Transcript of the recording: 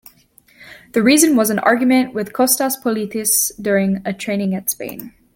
The reason was an argument with Kostas Politis, during a training at Spain.